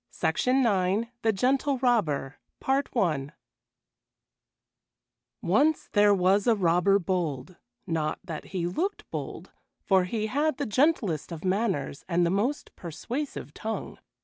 THE GENTLE ROBBER THE GENTLE ROBBER Once there was a robber bold not that he looked bold, for he had the gentlest of manners and the most persuasive tongue.